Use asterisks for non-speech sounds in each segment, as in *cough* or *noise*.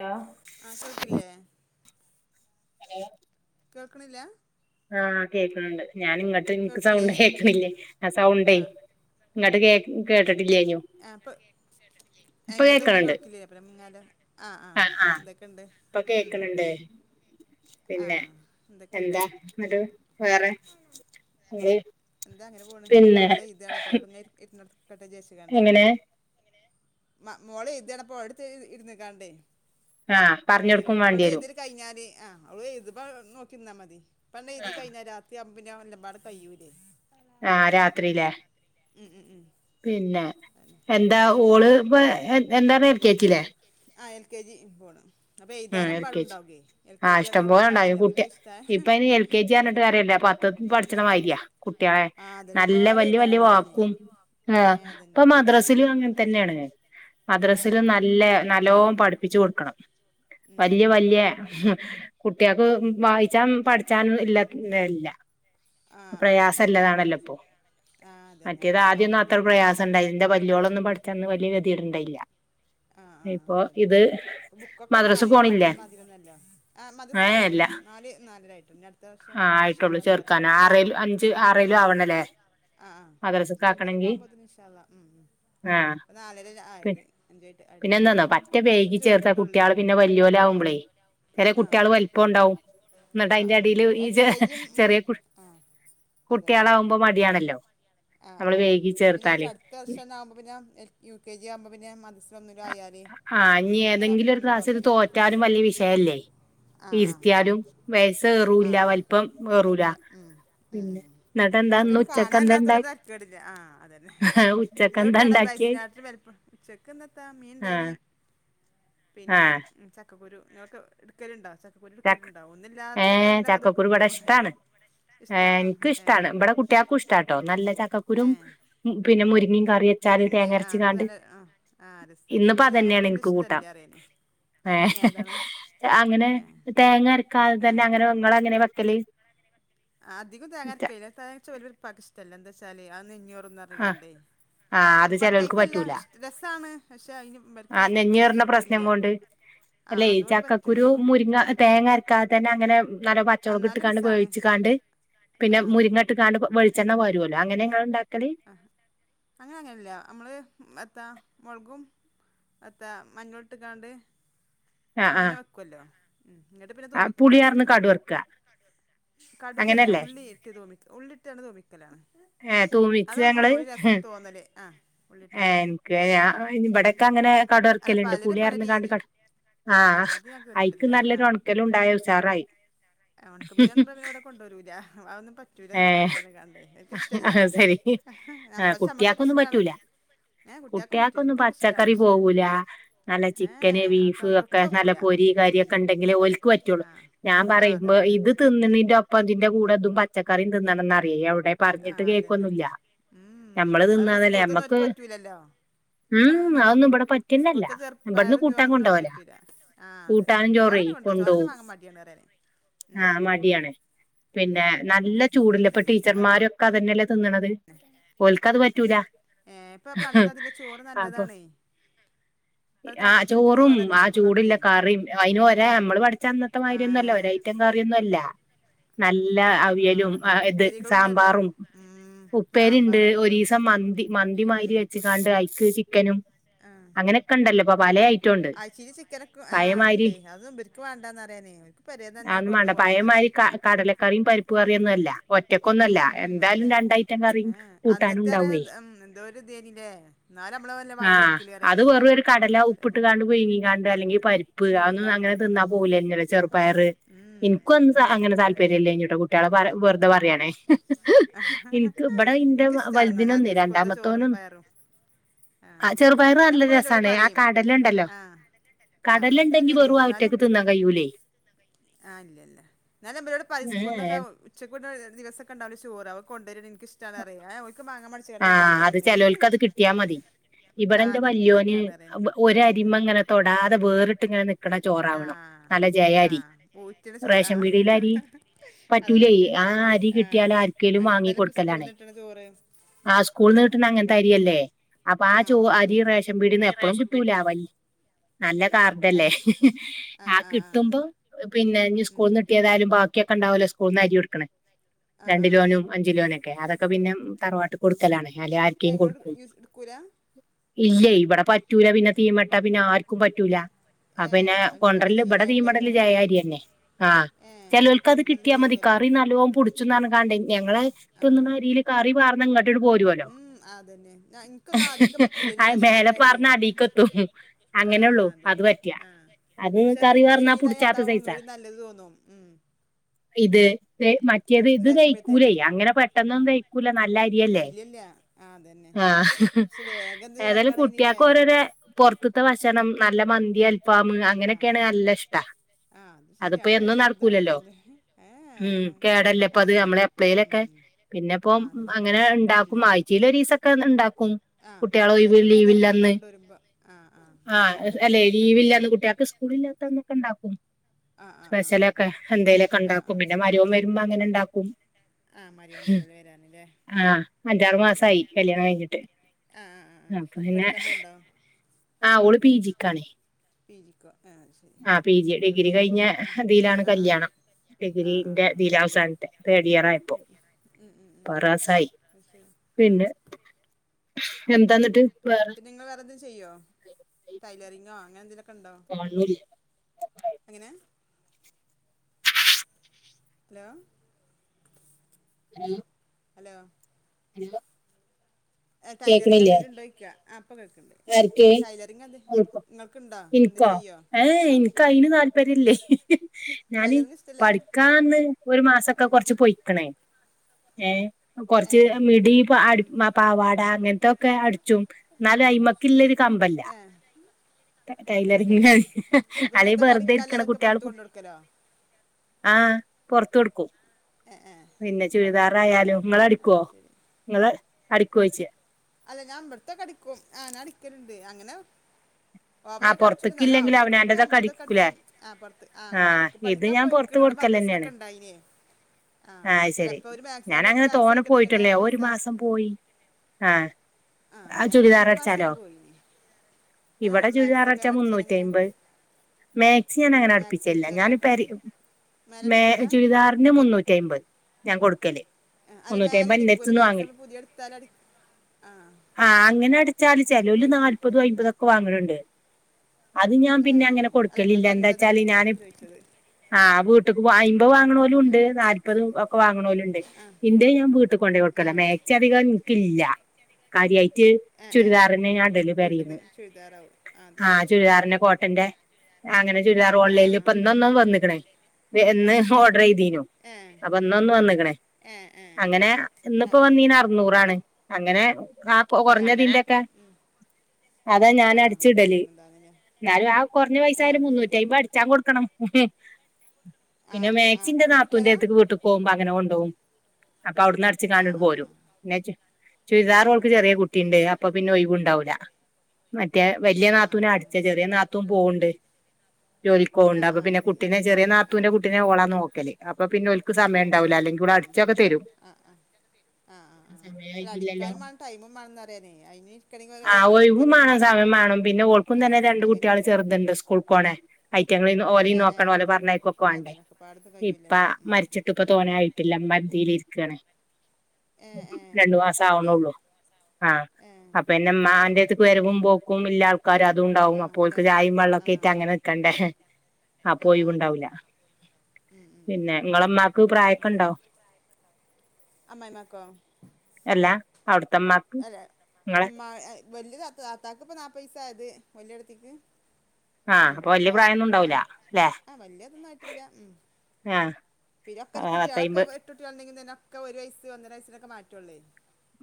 hello ആ കേൾക്കില്ലേ hello കേൾക്കണില്ല ആ കേക്കുന്നുണ്ട് ഞാൻ ഇങ്ങോട്ട് എനിക്ക് കേൾക്കില്ലേ സൗണ്ട് കേക്കണില്ലേ ആ സൗണ്ട് ഇങ്ങോട്ട് കേ കേട്ടിട്ട് ആപ്പൊ ഇപ്പൊ എങ്ങോട്ട ഒന്നും കേക്കണണ്ട് കേക്കില്ല അ മുങ്ങാല ആ ആ എന്തൊക്കെയണ്ട് ഇപ്പ കേക്ക്ണ്ണ്ട് പിന്നെ ആഹ് എന്തൊക്കെയുണ്ട് എന്താ എന്നിട്ട് ഉം വേറെ എന്താ അങ്ങനെ പോണ് പിന്നെ മകള് എയ് താണ് അപ്പൊ ഇവിട ഇരുന്നൊടുക്കട്ടെ വിചാരിച്ചുക്കാണ്ടേ എങ്ങനെ മ മോളെ എയ്തണ്അപ്പോ ഓളെടുത്ത് ഇരുന്നക്കാണ്ടേയ് ആ പറഞ്ഞെടുക്കും വാണ്ടി വരും ആ ഓള് എഴുതുമ്പോൾ നോക്കി നിന്നാ മതി പ എഴുതി കഴിഞ്ഞ രാത്രി ആവുമ്പോ എല്ലമ്പാട കഴ്യൂലേ ആ രാത്രില്ലേ ഉം ഉം പിന്നെ അതന്നെ എന്താ മറ്റേ ഓള് എഴുതല് ഇപ്പ എന്താണ് എൽകെ ജി ലെ എൽകെജി പോണ് അപ്പൊ എഴുതാൻ എൽ എമ്പാടും കെ ജി ഉണ്ടാകും എൽ കെ ആഹ് ജി ആണ ഇഷ്ടം പോലെ പറഞ്ഞിട്ട് ഉണ്ടായി കാര്യല്ല കുട്ടി ഒക്കും ഇഷ്ട അതേന്നെ പത്ത പഠിച്ചണമായിരിയാ കുട്ടികളെ അതിന് നല്ല ഒരുപാട് വല്യ വല്യ എഴുതാനുണ്ട് അതിന് വാക്കും ആ ഏ ഇപ്പൊ അതന്നെ മദ്രസ മസിലും അങ്ങനെ തന്നെയാണ് ആ ആ മദ്രസയിലും നല്ല നല്ലോ പഠിപ്പിച്ചച്ച് കൊടുക്കണം ഉം വലിയ ഉം വല്യ അതന്നെ കുട്ടികൾക്ക് വായിച്ചൻ പഠിച്ചാനും ഇല്ല ഇല്ല ആ ആ അതന്നെ പ്രയാസംല്ലാതാണല്ലോ ഏത്- ഇപ്പൊ ആ അതന്നെ മറ്റേത് ആദ്യത്തെ ആദ്യം ഒന്നും അത്ര മാതിരിയൊന്നുമല്ല പ്രയാസം ഇണ്ടായി ഇന്റെ വെല്ലളൊന്നും പഠിച്ചാന്ന് വലിയ ഗതിയിടണ്ടായില്ല ഇപ്പൊ ഇത് ക്കെ മദ്രസ് മാറിയില്ല പോണില്ലേ പണ്ടത്തെ മാതിമംന്നല്ലോ ഏഹ് ഇല്ല മദ്രസആയിട്ടില്ല നാല് നാലായിട്ടുണ്ട് അടുത്ത വർഷം നി ചേർക്ക ആ അഞ്ച് ആറിലും ആവണല്ലേ ആഹ് ആ അഞ്ച് മദ്രസക്ക് അഞ്ചരക്കെ ആക്കണെങ്കി ആവുമ്പോത് നിഷാല ഉ ആഹ് ഉ നാലര ആയത് അഞ്ചായിട്ട് ആയിട്ടില്ല പിന്നെ എന്താന്നോ പറ്റ ഇപ്രാവശ്യം വൈകി ചേർത്താ ചേർത്തിട്ടോുള്ളൂ കുട്ടികള് പിന്നെ വലിയലെ ആകുമ്പളെ വേറെ ആഹ് കുട്ടികള് വലിപ്പംണ്ടാവും എന്നിട്ട് ആഹ് അതിന്റെ ആഹ് അടിൽ ഈ എൽ ച കെ ജിയും ഉം ചെറിയ കു ആഹ് അതന്നെ കുട്ടികളാകുമ്പോ മടിയണല്ലോ ആഹ് ആചാ അടുത്ത വർഷം ആവുമ്പോ പിന്നെ യു കെ ജി ആവുമ്പോ പിന്നെ മസ്സം ആഹ ഇനി ഏതെങ്കിലും ഒരു ക്ലാസിലും പോകാര്തി തോറ്റാലും വലിയ വിഷയല്ലേ ആഹ് ആഹ് ഇരുത്തിയാലും വയ ആ കറൂല ആ വലപ്പം കേറൂല ഇല്ല ഉം ഉം പിന്നെ ഉം എന്നിട്ട് എന്താ ഉച്ചക്ക എന്താണ്ടാക്ക ആ്തെ ചേവിട്ടിയാണ വയ ഉണ്ടാക്കിയേ രാത് വല ഉച്ചക്ക ആ മീൻ ആഹ് പിന്നെ ആഹ് ചക്കക്കുരുക്കെ എടുക്കലണ്ട ച എടുക്കൽ ഉണ്ടാവും ഒന്ന ഇല്ലാത്ത ടൈമിലൊക്കെ അത്ക്കടുക്കും എനക്ക് ഇഷ്ടാണ് ഇവിടെ കുട്ടികൾക്കും ഇഷ്ടാട്ടോ നല്ല ചക്കക്കുരും പിന്നെ മുരിങ്ങിയും കറിയൊക്കെ ഉരിങ്ങ ആഹ് അതൊക്കെ നല്ല ആ ആ് അസ്ഥ പക്ഷേ ഇവിടെത്തെ തേങ്ങൊക്ക് വല്ല ഇഷ്ടല്ലേ അറിയനേ ഏ അങ്ങനെ ഏ തേങ്ങ അരക്കാ അതെ ആ തന്നെ അങ്ങനെങ്ങ അങ്ങനെ വെക്കല് അധികം തേങ്ങാരക്കയില്ല തങ്ങച്ച വലപ്പക്ക ഇഷ്ടല്ല എന്താ വൊ അ അഞ്ഞൂറ് ആഹ് റണ്ടേ ആഹ് അത് ചെലോൽക്ക് പറ്റായിട്ടല്ല പറ്റൂല ഇഷ രസമാണ് പക്ഷെ അതിന് വർക്ക് ആഹ് വലിയ നെഞ്ഞേറിന ഇതില്ല പ്രശ്നം കൊണ്ട് ആ അല്ലെ അതുകൊണ്ട് പറ്റണ് ചക്കക്കുരു മുരിങ്ങ തേങ്ങ അരക്കാതെ തന്നെ അങ്ങനെ നല്ല പച്ചമളക് എന്നാലും ഇട്ടക്കാണ്ട് രസാണ് പേഴിച്ചിക്കാണ്ട് പിന്നെ ആ മുരിങ്ങ ഇട്ട്ക്കാണ്ട് വ വെളിച്ചെണ്ണ വരുമല്ലോ അങ്ങനെ എങ്ങാനും ഉണ്ടാക്കിവെച്ച ആ അങ്ങനെ അങ്ങനെല്ല നമ്മള് എത്താ മുളകും മത്ത മഞ്ഞളിട്ട കാണ്ട് അങ്ങനെ വെക്കുവല്ലോ ഉം എന്നിട്ട് പിന്നെ ആ തൂമിക്കും പുളിയർന്ന് ലാസ്റ്റ് കടു വർക്കുക കടുകല്ല ഉള്ളിയിട്ട് തൂമിക് ഉള്ളിട്ടാണ്ട് തൂമിക്കലാ തുമിച്ചാങ്ങള് ഏ ഉള്ളിട്ട്കാണ്ട് ൻക്ക് ഞാ വ്ടെക്കെ അങ്ങനെ കട അല്ല ക്കല്ണ്ട് പലരും പല പുളിയർന്ന്കാട് രീതി കട് ആ ആഹ് അത് ഞാൻ ഐക്ക് കേട്ടിട്ടില്ല നല്ലൊരൊൺക് ആഹ് ക്കലുണ്ടായ ഉസാറായി അതന്നും പറ്റൂല തിന്നാനറി കണ്ട ൻക്ക്ഷ്ടല്ല ആ കുട്ട്യേക്കൊന്നും പറ്റൂല ഏഹ് കുട്ടികൾക്കും പറ്റൂല കുട്ട്യേക്കൊന്നും എനിക്കൊക്കെ ഇഷ്ടാണ് പച്ചക്കറി പക്ഷെ പോകൂലാ നല്ല ചിക്കന് ഏഹ് ആ ബീഫ് സാധനം ഒക്കെ നല്ല തൊട്ടോക്കൂല പൊര് രി അതന്നെ കര്യൊക്കെണ്ടെങ്കിലെ ഓൽക്ക് പറ്റൊള്ളൂ ആഹ് ഞാൻ ആഹ് പറയുമ്പോ അതാണ് ഇത് തിന്ന്ണിന്റെ ഒപ്പംതിന്റെ കൂടെതും ച്ചക്കറി തിന്നണന്നറി എവ് ആ അതന്നെ ഉം ഞമ്മള് അതെന്നെ തിന്നാന്നല്ലേ സ്കൂൾത്തൊന്നും ഞമ്മക്ക് ഓൽക്ക് പറ്റൂലല്ലോ ഉം അതൊന്നും ഇവിടെ പറ്റന്നല്ല ഇസ്കൂത്തെ ഇവിടുന്ന് ചെർപയറും കൂട്ടാൻ ചോറൊന്നും കൊണ്ടോവലാ ഓൽക്കറ്റൂല ആ അതന്നെ കൂട്ടാനും ചോറ് കൊണ്ടോ ചോരനെ വാങ്ങാൻ മടിയാണരെനെ ആ മടിയാണ് പിന്നെ നല്ല ചൂട് ഉം ഇല്ലപ്പ ഉം അതന്നെ ടീച്ചർമാരൊക്കെ അതന്നല്ലെ തിന്നണത് ഓൽക്കത് പറ്റൂല ഏ ഇപ്പൊ പണ്ടത്തെ അതിലെ ചോറ് അപ്പൊ നല്ലതാണേ ഇപ്പം ആ തിളപ്പിച്ചൂറ്റിയ ചോറും ചോറല്ലേ ആ സ്കൂളിലൊക്കെ ചൂടില്ല കറിയും അയിന് ഒരേ ഉം നമ്മള് പഠിച്ച അന്നത്തെ ആ മായിരിയൊന്നുല്ല ഒരയിറ്റം കറി ഇന്നുല്ല നല്ല ആ അവിയലും അ അതന്നെ ഇത് ഉപ്പേരികളുണ്ടല്ലോ സാമ്പാറും ഉം ഉപ്പേരിണ്ട് സാമ്പാറായിട്ടും ഒരീസം മന്തി മന്തി മ മയിരി ഉം വെച്ചിങ്ങാണ്ട് അയ്ക്ക് ചി ആ ആ പല ഐറ്റം ഉണ്ട് അച്ചിരി ചിക്കനൊക്കെ ആ ഇണ്ട് പഴയമാതിരി അതും ബർക്ക് വാണ്ടാന്ന് പറയാനേ പെരേന്ന് തന്നെ ഞാനും കൊണ്ടു മാണ്ട പോണംന്നറിയാ പഴമായി ക കടലക്കറിം പരി ഉം പ്പ്കറിയൊന്നുംല്ല ഒറ്റക്കൊന്നല്ല ഉം അല്ല എന്തായാലും രണ്ടായിഐറ്റം കറിക്ക് കൂട്ടാനുണ്ടാവേ ശരില്ലേ എന്നാലും നമ്മള് വല്ലോം വാങ്ങി കയി അത് വെറു ഒരു കടല ഉപ്പിട്ട് കാണ്ട് പിഴങ്ങാണ്ട് ഉം അല്ലെങ്കിൽ പരിപ്പ് അതൊന്നും പീങ്ങിക്കാണ്ട് അങ്ങനെ ഉം തിന്നാ പോല *unintelligible* ചെറ്പയറ് ഉം ഇൻക്കും അൻ ഉം അങ്ങനെ അതന്നെ താല്പര്യല്ലേനിട്ടോ കുട *unintelligible* വെറുതെ ഏ പറയാണേ ഇൻക്ക് ഇബടെ ഇന്റെ എനിക്കിഷ്ടാണ് എന്നാലും അത് വലുതിനൊന്ന് സ്കൂൾത്തെ ചോറും രണ്ടാമത്തോന് പയറും ആഹ് ആ ചെറുപയറ് ഞാൻ നല്ല എപ്പഴും ഇവരോട് രസാണെ ആ പറയും കടല ഉണ്ടല്ലൊ ആഹ് ആഹ് അത് കടലിണ്ടെങ്കി വെറുവാ ആ ഒറ്റയ്ക്ക് തിന്നാൻ കയൂലേ ആ ഇല്ലല്ല എന്നാലമ്മരോട് പരി ഏഹ് സ്കൂന്നൊക്കെ ഉച്ചക്കൂടി ദിവസൊക്കെണ്ടാവും ചോറ് അവ കൊണ്ടുവര എനിക്ക് ഇഷ്ടന്ന് അറിയ ഓക്ക് മാങ്ങാ മറിച്ചിങ്ങാണ്ട് ആ കൊണ്ടുവരൂലേ അത് ഇങ്ങട്ട് ചെലോൽകത് കിട്ടിയാ മതി ഇ ആഹ് എന്റെ അതെനിക്ക് വല്യോന് ഇഷ്ടാണ് പറയും ഞാന് ഒര് അരിമങ്ങനെ തൊടാതെ വേറിട്ട്ങ്ങനെ നിക്കണ ആ ആ പൂച്ചന് ചോ ആ റേഷൻ പീടിയിലെ അരി അതൊന്നും പറ്റൂലേ പറ്റൂല ആ അരി കിട്ടിയാലും ആഹ് ആര്ക്കേലും അങ്ങനത്തെല്ല ഇപ്പം വാങ്ങിക്കൊടുക്കലാണെ സ്കൂൾന്ന് കിട്ടണ ചോറ് ആ സ്കൂള്ന്ന് ആഹ് കിട്ടണ അങ്ങനത്തെ അരി അല്ലേ അപ്പൊ ആ ചോ ആഹ് അരിയും അതാണ് റേഷൻ പീഠിന്ന് എപ്പളും കിട്ടൂല വൽ നല്ല കാർഡല്ലേ ആഹ് ആ ആഹ് ആഹ് കിട്ടുമ്പോ പിന്നെ ഞ്ഞ് സ്കൂൾന്ന് കിട്ടിയതാലും ആരും ബാക്കിയൊക്കെണ്ടാവല്ലോ സ്കൂളിന്ന് അരി കൊടുക്കണെ ആഹ് ആഹ് ആഹ് രണ്ട്ലോനും അഞ്ച്ലോനൊക്കെ അതൊക്കെ പിന്നെ തറവാട്ട് കൊടുക്കലാണ് അല്ലെ *unintelligible* എടുക്കൂല ഇല്ല ഇവിടെ പറ്റൂല പിന്നെ തീമെട്ട പിന്നെ ആർക്കും പറ്റൂല ആ ഏഹ് പിന്നെ അത് ഇങ്ങക്ക് അങ്ങനെ കൊണ്ടരല് ബടെ തീമടല് ശീലായിട്ടേക്കാരം ജയ അരിയന്നെ ആ ഏഹ് ചെലര്ക്കത് അത് നല്ല കിട്ടിയാ മതി വേകുവല്ലേ കറി നല്ലോം പുളിച്ച് *unintelligible* ഞങ്ങളെ ആഹ് തിന്ന്ണരീല് കറി പാർന്നങ്ങട്ടണ്ട് പോരുവല്ലോ ഉം അതന്നെ ഞാ ഇൻക്കൊന്നും ആദ്യൊക്കെ പറ്റൂലേനി ആ മേലെ റേഷൻപീട്ത്തെ അരിയേ പാർന്ന അടീക്കത്തും അങ്ങനെള്ളൂ ആഹ് അ അത് അതന്നെ പറ്റിയ ആഹ് അത് പക്ഷെ കറി തിന്ന് പാർന്നാ ശീതായി പുടിച്ചാത്ത അതാവും സൈസാ ഒന്നൂടി നല്ലത് തോന്നും ഉം ഇത് തെ മറ്റേത് ഉം ഇത് റേഷൻപീട്ത്തെ തയ്ക്കൂലേ അരി അങ്ങനെ പെട്ടെന്നൊന്നും ആഹ് തയ്ക്കൂല നല്ല അരിയ ഇല്ല്യല്ല ആഹ് അതന്നെ ആ പക്ഷെ വേഗം ഇത് ഏായാലും വേകാണയ്നിലേ കുട്ടിൾക്ക് ഓരോരോ പുറത്തെ ഭക്ഷണം നല്ല മന്തി അൽഫാമ് ആഹ് അങ്ങനെയൊക്കെയാണ് നല്ല ഇഷ്ട ആഹ് അത് അതിപ്പോ ശരിയാണ് അത് എന്നും എല്ലായിടത്തും അങ്ങനെ നടക്കൂലല്ലോ തന്നെ ഏ ഉം ഏ കേടല്ലപ്പ അത് അതന്നെ നമ്മൾ എപ്പളേലൊക്കെ ഉം പിന്നെ ഇപ്പം ആഹ് അതന്നെ എപ്പഴും തരക്കേടില്ല അങ്ങനെണ്ടാക്കും ആഴ്ച്ചകളിൽ ഒരുദിവസമൊക്കെ ഉണ്ടാക്കും ആഹ് വെള്ളിയാഴ്ച ഇപ്പം എതായാലും കൊണ്ടുവരുമ്പോ ആഹ് ആ ആഹ് അങ്ങനെതന്നെ ഇവിടെയൊക്കെ അല്ലെ കണക്കാക്കൽ ലീവില്ലന്ന് കുട്ടികൾക്ക് സ്കൂളിലാത്തന്നൊക്കെണ്ടാക്കും ആഹ് ആഹ് ആഹ് സ്പെഷലൊക്കെ എന്തേലുമൊക്കെ ആഹ് ണ്ടാക്കും പിന്നെ ആഹ് മരുമകൻ വരുമ്പോ അങ്ങനെണ്ടാക്കും ആഹ് മരുമകനുണ്ടല്ലേ വരാന്‍ല്ലേ ആഹ അഞ്ചാറു മാസയി കല്യാണം കഴിഞ്ഞിട്ട് ആഹ് ആഹ് ആഹ് ആഹ് അപ്പൊ ശരി പിന്നെ പഠിക്കാൻ പോവ്ണ്ടോ ആ ഓള് പി ജിക്കാണേ പി ജി ക്കൊ ആ ശരി ആഹ് പി ജി ആ ഡിഗ്രി ആ ആ ഡിഗ്രിന്റെ ദില അവസാനത്തെ തേഡ് ഇയർ ആയപ്പോ ഉം ഉം ഉം ഉം പറാസായി അത് ശരി ആഹ് പിന്നെ ഉം ഉം എന്താന്നിട്ട് വേറെ പിന്നെ നിങ്ങൾ വേറെന്തെങ്കിലും ചെയ്യോ ടൈലറിങ്ങോ അങ്ങനെന്തെങ്കിലുമൊക്കെ ഒക്കെണ്ടോ ഒന്നുല്ല എങ്ങനെ ഹലോ ഉം ഹലോ ഇല്ല ടൈലറിങ് എന്തേലുണ്ടോയ്ക്ക ആഹ് ഇപ്പൊ കേക്ക്ണ്ട് ആർക്ക് ടൈലറിങ് എന്തെ നിങ്ങക്ക്ണ്ടാ ഇക്കോ ഏഹ് എനിക്ക് അയിന് താല്പര്യല്ലേ ഞാന് ടൈലറിങ് ഇഷ്ടല്ല പഠിക്കാന്ന് ഒരു മാസൊക്കെ ഏ കുറച്ച് പൊയിക്കണേ ഏഹ് ഏ കൊറച്ച് മിടി ഇപ്പൊ അടി ഉം പാവാ ട അങ്ങനത്തൊക്കെ അടിച്ചും എന്നാലും അയ്മ്മക്കില്ലൊരു കമ്പല്ല ഏ ഇല്ലല്ലേ ടൈലറിങ്ങിനായി അപ്പൊ അല്ലേ ഈ ഇങ്ങനത്തെ ബെറുതെ ഇരിക്കണ കടിക്കാല്ലതൊക്കെ കുട്ടിയാള് പുറത്ത് കൊണ്ട് കൊടുക്കലോ ആഹ് പൊറത്ത് കൊടുക്കും ഏ ഏ പിന്നെ പുറത്തെടുക്കലോ അല്ലേ ചുരിദാറായാലും നിങ്ങള് ആ അടിക്കോ നിങ്ങള് അടിക്കോയ്ച്ചേ അതെ ഞാൻ ഇവിടത്തെ അടിക്കും ആഹ് ഞാന്‍ അടിക്കലുണ്ട് അങ്ങന ആ ഓവറായിട്ട് അടിച്ചൂല എന്നാലും പൊറത്തേക്കില്ലെങ്കിൽ ആവശ്യത്തിനൊക്ക അവനാന്റെതൊക്കെ നമ്മളാത്തക്ക അടിക്കൂലേ അടിച്ചൂം ആഹ് പുറത്ത് ആഹ് ആ അങ്ങനെ ഇത് പഠിക്കാൻ ഞാൻ പൊറത്ത് പോയിക്ക്ണ് ഇവ്ടാ കൊടുക്കലന്നെയാണ് മദ്രസിലൊക്കെണ്ടായിനെ ആഹ് ശരി ഞാനങ്ങനെ മാത്സ് തോനെ എടുക്കണ എങ്ങനെയാ പോയിട്ടിള്ളെ ഒരു പൈസ മാസം പോയി ആഹ് ആഹ് ആ ഞാൻ ഇപ്പാ ചുരിദാർ രണ്ടു മാസം അടിച്ചാലോ അങ്ങനെ പോയിനി ആഹ് ചുരിദാറ് അടിച്ച മുന്നൂറ്റയ്മ്പത് മാക്സി ഞാൻ ഏ അങ്ങനെ മാത്സ് അടിപ്പിച്ചലില്ല അടിച്ചാലോ ഞാനിപ്പ ആരെയും മേലെ മേ അടിക്കൂല ആ ചുരിദാറിന് മുന്നൂറ്റയ്മ്പത് ഞാൻ കൊടുക്കല് അത് മുന്നൂറ്റി മേലെ അമ്പത് അടിക്കൂലേ എന്റെടുത്തുന്ന് മാക്സി വാങ്ങല് മ്മള് പുതിയ എടുത്താല് അടി ആ ആഹ് അങ്ങനെ അടിച്ചാല് വീ ചെലോല് നാല്പതും അയിമ്പതൊക്കെ വാങ്ങാണുണ്ട് അത് ഞാൻ ആ പിന്നെ ആ അങ്ങനെ അല്ല കൊടുക്കലില്ല ഇവിടൊക്കെ എന്താച്ചാല് അൻപതാണ് ഞാൻ ചോദിച്ചത് ആഹ് വീട്ട്ക്ക് അയിമ്പത് ഉം വാങ്ങണൊലുണ്ട് നാല്പത് ഒക്കെ വാങ്ങണൊലുണ്ട് ആ ഇന്റെ ഞാൻ വീ ട്ട് കൊണ്ട് വക്കാല ആ മാക്സി അധികം ഇന്ക്ക് ഇല്ല കാര്യായിട്ട് ആഹ് ആഹ് ചുരിദാറാന്നെ ഞാന് ഇടല് വീട്ടിന്ന് പേരെന്ന് ചുരിദാറാവും അത് ആഹ് ശരി ചുരിദാർന്നെ കോട്ടന്റെ അങ്ങനെ ചുരിദാറ് ആഹ് ഓൺലൈനിൽ ഇപ്പം ഇന്ന് ആഹ് ഒന്ന് വന്ന്ക്ക്ണ് ആഹ് എന്ന് ആഹ് ഓർഡർ ചെയ്തീനു അപ്പൊ ഏഹ് ഇന്ന് ഒന്ന് വന്ന്ക്ക്ണ് ഏഹ് അങ്ങനെ ആഹ് ഇന്നിപ്പ ആഹ് വന്നീന് അറുന്നൂറാണ് അങ്ങനെ ആഹ് ആഹ് ആഹ് കുറഞ്ഞതിന്റേക്കെ അതാ ഞാൻ ആഹ് അടിച്ചിടല് വീട്ടിന്നുണ്ടാവുന്നല്ലേ എന്നാലും ആ കുറഞ്ഞ ആഹ് പൈസായാലും അത് ശരി മുന്നൂറ്റയ്മ്പത് അടിച്ചാൻ കൊടുക്കണം പിന്നെ ആഹ് മാക്സി ആഹ് ന്റേ തുണി നാത്തൂന്റാ എടുക്കലാ അടുത്ത്ക്ക് വീട്ട് പോകുമ്പോള്‍ അങ്ങനെ കൊണ്ടോവും അപ്പൊ അവിട്ന്ന് അടിച്ച് ആഹ് ഞാനിട് ആഹ് പോരും ആഹ് ചുരിദാർ ആഹ് ഓൾക്ക് ചെറിയ കുട്ടിയിണ്ട് ആഹ് അപ്പൊ പിന്നെ ഒഴിവുണ്ടാവൂല്ല മറ്റേ വലിയ ആഹ് ആഹ് ആഹ് നാത്തുനാ അടിച്ചെ ആഹ് ചെറിയ നാത്തുന് പോവുണ്ട് ജോലിക്കോ ഉണ്ട് ആഹ് അപ്പ ആഹ് പിന്നെ ശരി കുട്ടിനെ ചെറിയ ആഹ് നാത്തൂന്റെ ചോയിക്ക് കുട്ടിനെഓളാ നോക്കല് അപ്പ പിന്നെ ഓലക്ക് സമയംണ്ടാവില്ല നോക്കല് അല്ലെങ്കിൽ *unintelligible* ഏഹ് അടിച്ചൊക്കെ തരും ആഹ് ആഹ് ആഹ് സമയായിട്ടില്ലല്ലോ അടിക്കാനും മാണം ടൈം മും മാണം അയിന് ഇരിക്കണേൽ ഒഴിഞ്ഞിരിക്കന്നെ വേണം വേണം പിന്നെ ഓൾക്കും തന്നെ ആഹ് രണ്ട് കുട്ടികൾ അങ്ങനെയുണ്ട് ചെറുതുണ്ട് സ്കൂൾ കോണെ അ - കുറ്റങ്ങള ഓലെ ഏ ഏ നോക്കണ ഓല പറഞ്ഞക്കോക്കവാണ്ടേ അതനൊക്കെ പാടത്ത് ഇപ്പ കഴിയൂല്ലല്ലോ ഉം മരിച്ചിട്ട് ഇപ്പ തോനായി കട്ടില്ല മതിൽ ഇരിക്കണേ ഏ ഏ രണ്ടു മാസം അത്രയായിട്ടുള്ളൂല്ലേ ആവണള്ളൂ ആഹ് ഏ അപ്പന്നെ അത് മ്മാന്റെ അടുത്തക്ക് ശരി വരവും പോക്കും ഇല്ല ആൾക്കാർ അതുംണ്ടാവും ആ അപ്പോഴക്ക് ഇല്ലപ്പ ചായും ആ വെള്ളമൊക്കെ ഇട്ട് അങ്ങനെ അതന്നെ നിക്കണ്ടേ ആ പോയി ഉണ്ടാവല ഉം ഉം ഉം പിന്നെ ഉം നിങ്ങളമ്മാക്ക് പ്രായക്കെ ഇണ്ടൊ അമ്മായമ്മക്കോ അല്ല അവിടുത്തെ ഇമ്മാക്ക് അല്ല നിങ്ങളെ ഉമ്മ വലിയ തത്തക്ക്പ്പ നാപ്പത് വയസ്സായി അത് വലിയേടത്തിക്ക് ആ അപ്പൊ വല്യ പ്രായൊ ന്നുംണ്ടാവൂല അല്ലെ ആ ആ പിന്നെക്കെ കുട്ടികളൊക്കെ ഇട്ടുണ്ടെങ്കിൽന്നെൊക്കെ ഒരു വയസ് ഒന്നര വയസിനൊക്ക മാറ്റൊള്ളു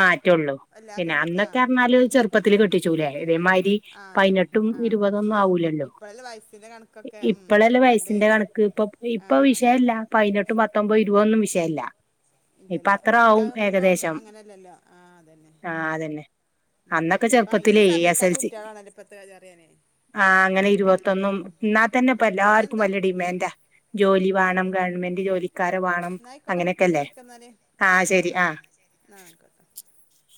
മാറ്റുള്ളൂ പിന്നെ അന്നൊക്കെ അറിഞ്ഞാല് മാറ്റും ചെറുപ്പത്തില് കെട്ടിച്ചൂലേ ഉം ഇമാതിരി ആ അതന്നെ പതിനെട്ട് പത്തും ആ ഇപതൊന്നും ആവൂല്ലല്ലോ ഇപ്പഴല്ലേ വയസ്സിന്റെ കണക്കൊക്കെ ഉം ഇപ്പളല്ല ഇരുപത്തിരണ്ട് വയസിന്റെ കണക്ക് ഇപ്പ ആ ഇപ്പൊ അതന്നെ വിഷയല്ല പതിനെട്ട് പത്തൊമ്പത് ഇരുപൊന്നും വിഷയല്ല ഇപ്പ അത്ര ആവും ഏകദേശം ല്ലോ ആ അതന്നെ ആഹ് അതന്നെ അന്നൊക്കെ അയിന് ചെറുപ്പത്തിലേ എസ് സമ്മയിക്കാതെ എൽ സി കുട്ടിയാളാണ് ഇപ്പത്തെ *unintelligible* ആഹ് അങ്ങനെ പിൻ ആ ഇരുപത്തൊന്നും എന്നാ ആ തന്നെഇപ്പോല്ലാർക്കും പിന്നെന്താ വലിയ ഉം ഡിമാൻഡാ ജോലി ആ വേണം അതന്നെ ഗവൺമെന്റ് ജോലിക്കാരെ വേണം എന്നാ ആയിക്കോട്ടെ നമുക്ക് പിന്നെ അങ്ങനെയൊക്കെല്ലേ വിളിക്കാ എന്നാല് ആ ശരി ആ എന്നാ ആ